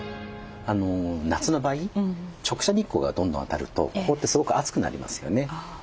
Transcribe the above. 夏の場合直射日光がどんどん当たるとここってすごく熱くなりますよね。